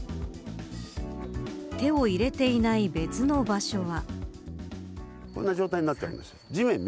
手を入れていない別の場所は。